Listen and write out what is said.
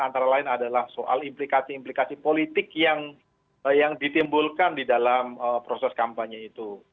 antara lain adalah soal implikasi implikasi politik yang ditimbulkan di dalam proses kampanye itu